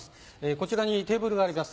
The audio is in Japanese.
こちらにテーブルがあります